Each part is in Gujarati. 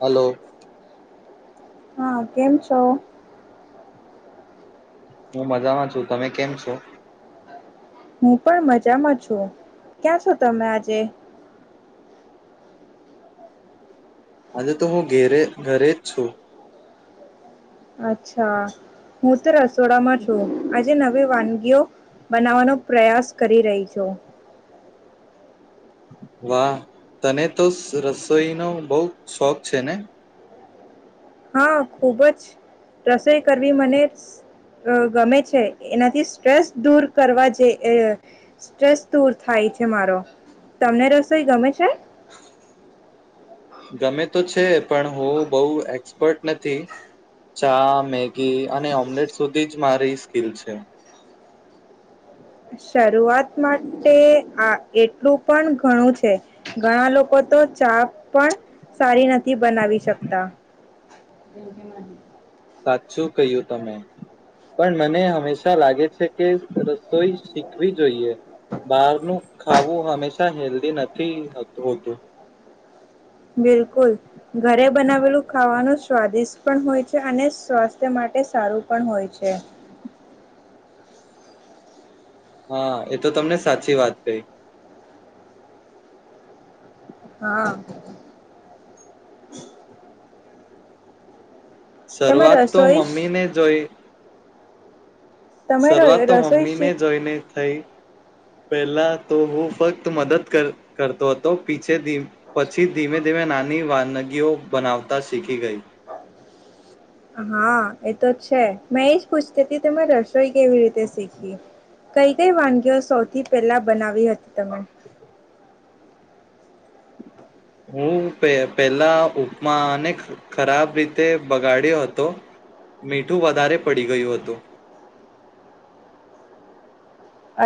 હાલો. હા કેમ છો? હું મજામાં છું, તમે કેમ છો? હું પણ મજામાં છું, ક્યાં છો તમે આજે? આજે તો હું ઘેરે, ઘરે જ છું. અચ્છા હું તો રસોડામાં છું. આજે નવી વાનગીઓ બનાવવાનો પ્રયાસ કરી રહી છું. વાહ તને તો સ રસોઈનો બહું શોખ છે ને? હા ખુબ જ રસોઈ કરવી સ મને ગમે છે, એનાથી સ્ટ્રેસ દૂર કરવા જે અહ સ્ટ્રેસ દૂર થાય છે મારો, તમને રસોઈ ગમે છે? ગમે તો છે પણ હું બહુ એક્સપર્ટ નથી. ચા, મેગી અને ઓમ્લેટ સુધી જ મારી સ્કિલ છે. શરૂઆત માટે આ એટલું પણ ઘણું છે, ઘણા લોકો તો ચા પણ સારી નથી બનાવી શકતા. સાચું કહ્યું તમે, પણ મને હંમેશા લાગે છે કે રસોઈ શીખવી જોઈએ, બહારનું ખાવું હંમેશા હેલ્ધી નથી હતું હોતું. બિલકુલ. ઘરે બનાવેલું ખાવાનું સ્વાદિષ્ટ પણ હોય છે, અને સ્વાસ્થ્ય માટે સારું પણ હોય છે. હા એ તો તમે સાચી વાત કહીં. હા. તમે શરૂઆત તો રસોઈ મમ્મીને જોઈ તમે શરૂઆત તો રસોઈ મમ્મી ને શીખ જોઈને થઈ. પેલા તો હું ફક્ત મદદ કર કરતો હતો પીછેથી. પછી ધીમે ધીમે નાની ની વાનગીઓ બનાવતા શીખી ગઈ. હા એ તો છે. મેં એજ પૂછતી તી તમે રસોઈ કેવી રીતે શીખી, કઈ-કઈ વાનગીઓ સૌથી પહેલા બનાવી હતી તમે? હું પે પેલા ઉપમાને ખરાબ રીતે બગાડ્યો હતો, મીઠું વધારે પડી ગયું હતું.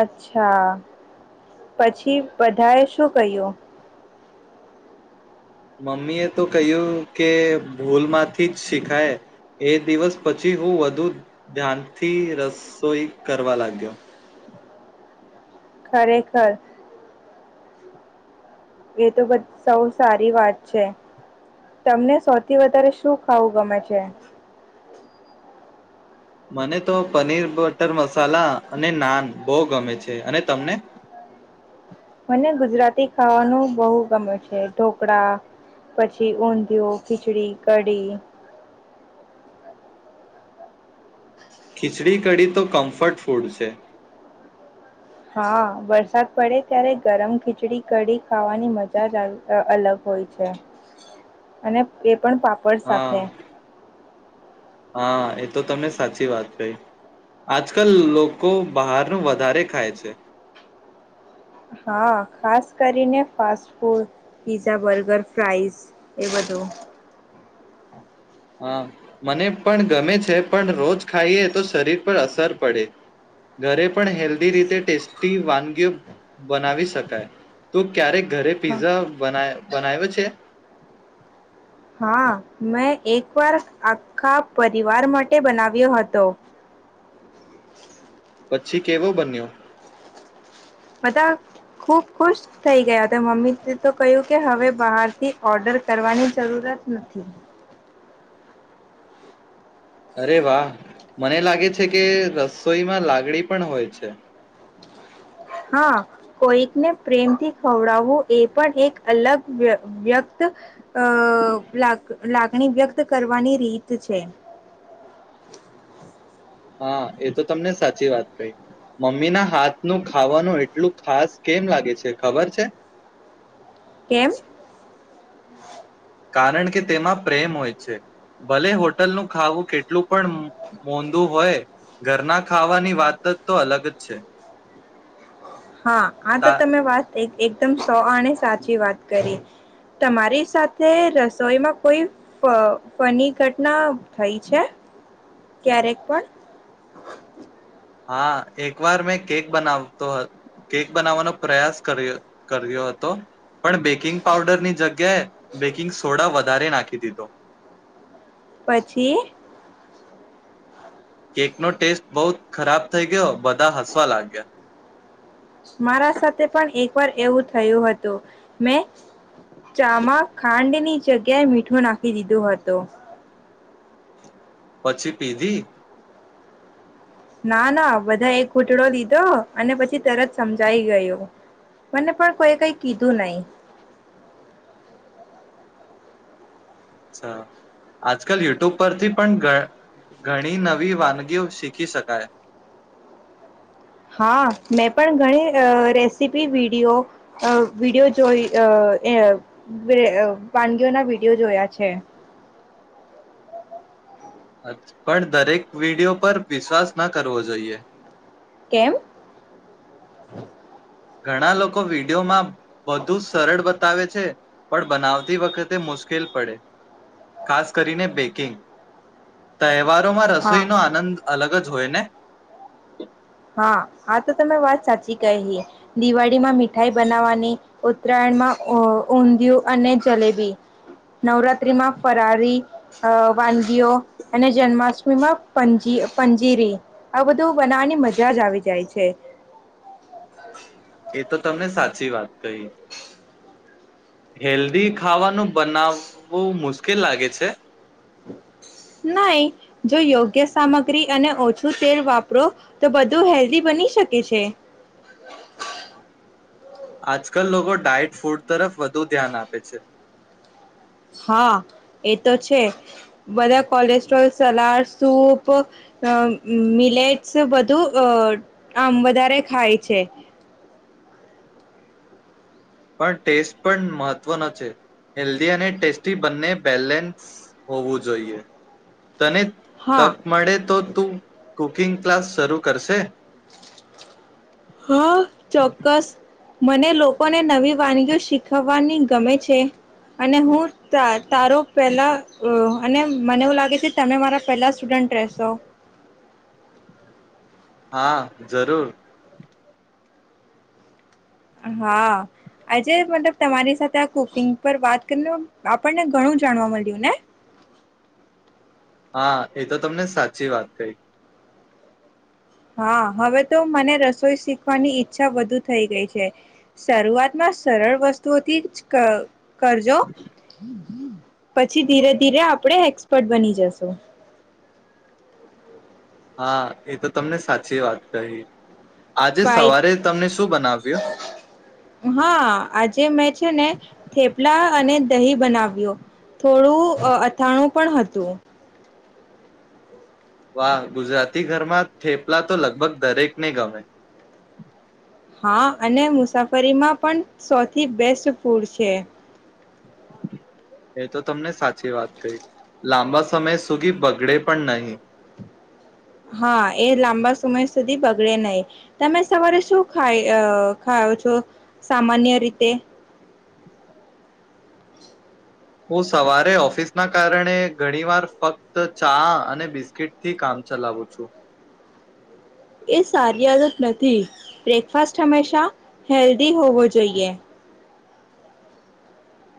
અચ્છા. પછી બધાએ શું કહ્યું? મમ્મી એ તો કહ્યું કે ભૂલમાંથી જ શીખાય, એ દિવસ પછી હું વધુ ધ્યાનથી રસોઈ કરવા લાગ્યો. ખરેખર. એ તો બ સૌ સારી વાત છે. તમને સૌથી વધારે શું ખાવું ગમે છે? મને તો પનીર બટર મસાલા અને નાન બહુ ગમે છે, અને તમને? મને ગુજરાતી ખાવાનું બહુ ગમે છે ઢોકળા પછી ઊંધિયું, ખીચડી, કઢી. ખીચડી કડી તો કમ્ફર્ટ ફૂડ છે. હા વરસાદ પડે ત્યારે ગરમ ખીચડી કઢી ખાવાની મજા જ અ અલગ. હોય છે. અને એ પણ પાપડ હા સાથે. હા એ તો તમે સાચી વાત કહીં. આજકાલ લોકો બહારનું વધારે ખાય છે. હા ખાસ કરીને fast food, pizza, burger, fries એ બધું. હા મને પણ ગમે છે પણ રોજ ખાઈએ તો શરીર પર અસર પડે. ઘરે પણ હેલ્ધી રીતે ટેસ્ટી વાનગીઓ બનાવી શકાય, તું ક્યારેક- ઘરે પિઝા બનાય. બનાઈવે છે? હા, મેં એક વાર આખ્ખા પરિવાર માટે બનાવ્યો હતો. પછી કેવો બન્યો? બધા ખૂબ ખુશ થઈ ગયા હતા. મમ્મી તી તો કહ્યું કે હવે બહારથી ઓર્ડર કરવાની જરૂરત નથી. અરે વાહ! મને લાગે છે કે રસોઈમાં લાગણી પણ હોય છે. હા, કોઈકને પ્રેમથી ખવડાવવું એ પણ એક અલગ વ્ય-વ્યક્ત અહ લાગ-લાગણી વ્યક્ત કરવાની રીત છે. હા, એ તો તમને સાચી વાત કહી. મમ્મીના હાથનું ખાવાનું એટલું ખાસ કેમ લાગે છે, ખબર છે? કેમ? કારણ કે તેમાં પ્રેમ હોય છે. ભલે હોટલનું ખાવું કેટલું પણ મોંધું હોય, ઘરના ખાવાની વાતત્ તો અલગજ છે. હા, આ તો તા તમે વાત એક-એકદમ સો આણે સાચી વાત કરી. તમારી સાથે રસોઈમાં કોઈ ફ-ફની ઘટના થઈ છે? ક્યારેક પણ? હા, એક વાર મેં કેક બનાવ તો, કેક બનાવાનો પ્રયાસ કર્યો-કર્યો હતો. પણ બેકિંગ પઉડરની જગ્યાએ બેકિંગ સોડા વધારે નાખી દીધો. પછી? કેકનો ટેસ્ટ બહુત ખરાબ થઈ ગયો, બધા હસવા લાગ્યા. મારા સાથે પણ એક વાર એવું થયું હતું. મેં, ચામાં ખાંડની જગ્યાએ મીઠું નાખી દીધો હતો. પછી પીધી? ના-ના બધા એક ઘૂટડો લીધો અને પછી તરત સમજાઈ ગયો. મને પણ કોઈ કઈ કીધું નહી. અચ્છા. આજકાલ યુટ્યુબ પરથી પણ ઘ-ઘણી નવી વાનગીઓ શીખી શકાય. હા. મેં પણ ઘણી અહ રેસીપી વીડિયો અહ વીડિયો જોઈ અહ એ વે-વાનગીઓના વીડિયો જોયા છે. અછ. પણ દરેક વીડિયો પર વિશ્વાસ ન કરવો જોઈએ. કેમ? ઘણા લોકો વીડિયો માં બધું સરળ બ તાવે છે, પણ બનાવતી વખતે મુશ્કેલ પડે. ખાસ કરીને બેકિંગ. તય તહેવારોમાં હા રસોઈનો આનંદ અલગજ હોય ને? હા, આ તો તમે વાત સાચી કહી. દિવાળીમાં મીઠાઈ બનાવવાની, ઉત્તરાયણમાં ઊં-ઊંધિયું અને જલેબી. નવરાત્ર્રીમાં ફરારી અહ વાનગીઓ અને જન્માષ્ટમીમાં પજી-પંજીરી આ બધું બનાવવાની મજ જાજ આવી જાય છે. એ તો તમને સાચી વાત કહી. હેલ્ધી ખાવાનું બનાવવું મુશ્કેલ લાગે છે. નાઈ, જો યોગ્ય સામગ્રી અને ઓછું તેલ વાપરો તો બધું હેલ્ધી બની શકે છે. આજકાલ લોકો ડાયટ ફૂડ તરફ વધુ ધ્યાન આપે છે. હા, એ તો છે. બધા કોલેસ્ટ્રોલ, સલાડ, સૂપ અહ મિલેટસ બધું અહ આમ વધારે ખાય છે. પણ ટેસ્ટ પણ મહત્ત્વનો છે. હેલ્ધી અને ટેસ્ટી બંને બેલેન્સ હોવું જોઈએ. તને હા તક મળે તો તું કુકિંગ ક્લાસ શરૂ કરશે? હા ચોક્કસ મને લોકોને નવી વાનગીઓ શીખવવાની ગમે છે. અને હું તા-તારો પહેલા અહ અને મને એવું લાગે છે, કે તમે મારા પહેલા સ્ટુડન્ટ રહેશો. હા, જરૂર. હા, આજે મતલબ તમારી સાથે આ કુકિંગ પર વાત કરીને આપણને ઘણું જાણવા મળ્યું ને? હા, એ તો તમને સાચી વાત કઈ. હા, હવે તો મને રસોઈ શીખવાની ઈચ્છા વધુ થઈ ગઈ છે. શરૂઆતમાં સરળ વસ્તુઓથીજ કઅ કરજો. પછી ધીરે ધીરે આપડે એક્સપર્ટ બની જશું. હા એ તો. તમને સાચી વાત કહી. આજે બાય સવારે તમને શું બનાવ્યું. હા આજે મેચ. છે ને થેપલા અને દહી બનાવ્યો થોડું અથાણું પણ હતું. વાહ ગુજરાતી ઘરમાં થેપલા તો લગભગ દરેકને ગમે. હા અને મુસાફરીમાં પણ સૌથી બેસ્ટ ફૂડ છે. એ તો તમને સાચી વાત કહી લાંબા સમય સુધી બગડે પણ નહી. હા એ લાંબા સમય સુધી બગડે નહી તમે સવારે શું ખાય ખાવ છો સામાન્ય રીતે હું સવારે ઓફિસના કારણે ઘણીવાર ફક્ત ચા અને બિસ્કીિટથી કામ ચલાવું છું. એ સારી આદત નથી બ્રેકફાસ્ટ હંમેશા હેલ્ધી હોવો જોઈએ.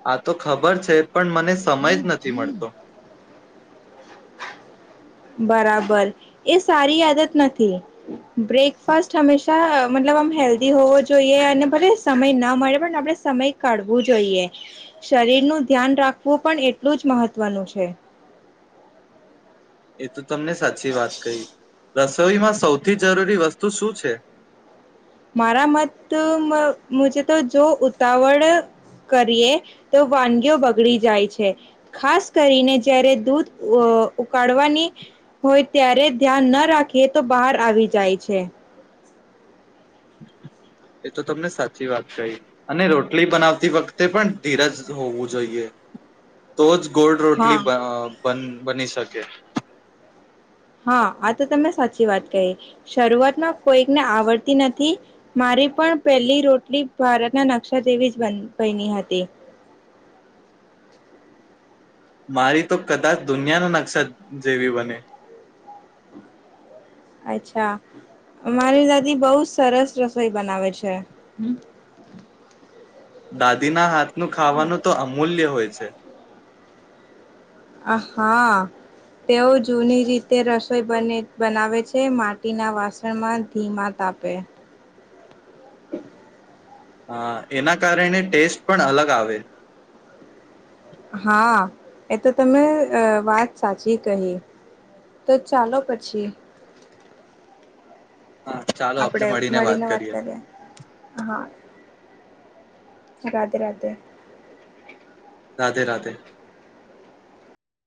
આ તો ખબર છે. પણ મને સમય જ નથી મળતો. બરાબર એ સારી આદત નથી બ્રેકફાસ્ટ હંમેશા મતલબ આમ હેલ્ધી હોવો જોઈએ અને ભલે સમય ના મળે પણ આપણે સમય કાઢવું જોઈએ શરીર નું ધ્યાન રાખ વું પણ એટલું જ મહત્વનું છે. એ તો તમને સાચી વાત કહી. રસોઈમાં સૌથી જરૂરી વસ્તુ શું છે. મારા મત મુજ જો ઉતાવળ કરીએ તો વાનગીઓ બગડી જાય છે ખાસ કરીને જય્યારે દૂધ ઉકાળવાની હોય ત્યારે ધ્યાન ના રાખીએ તો બહાર આવી જાય છે. એ તો તમને સાચી વાત કહી અને રોટલી બનાવતી વખતે પણ ધીરજ હોવું જોઈએ તો જ ગોળ હા રોટલી બ બની શકે. હા આ તો તમે સાચી વાત કહી શરૂઆતમાં કોઈકને આવડતી નથી મારી પણ પહેલી રોટલી ભારતના નકશા જેવી જ બની હતી. મારી તો કદાચ દુનિયાનો નકશા જેવી બને. અચ્છા મારી દાદી બહ સરસ રસોઈ બનાવે છે. દાદીના હાથનું ખાવાનું તો અમૂલ્ય હોય છે. હા તેઓ જૂની રીતે રસોઈ બને બનાવે છે માટીના વાસણમાં ધીમા તાપે. હા એના કારણે ટેસ્ટ પણ અલગ આવે. હા એ તો તમે વાત સાચી કહી તો ચાલો પછી આપડે મળીને વાત કરીએ હા. રાધે રાધે. રાધે રાધે.